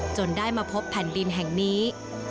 จนได้มาพบแผ่นดินแห่งนี้